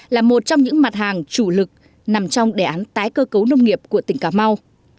là một trong những mặt hàng chủ lực nằm trong đề án tái cơ cấu nông nghiệp của tỉnh cà mau